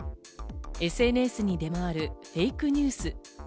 ＳＮＳに出回るフェイクニュース。